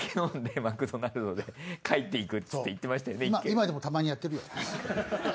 今でもたまにやってるよ。